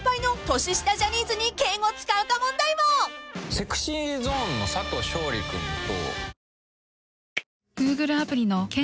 ＳｅｘｙＺｏｎｅの佐藤勝利君と。